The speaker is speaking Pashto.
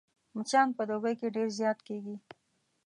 مچان په دوبي کې ډېر زيات کېږي